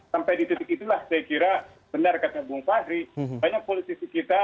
sampai di titik itulah saya kira benar kata bung fahri banyak politisi kita